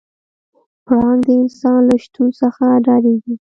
پړانګ د انسان له شتون څخه ډارېږي.